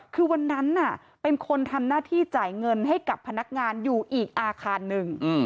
คือวันนั้นเป็นคนทำหน้าที่จ่ายเงินให้กับพนักงานอยู่อีกอาคารหนึ่ง